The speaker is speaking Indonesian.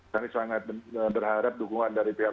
kami sangat berharap dukungan dari pihak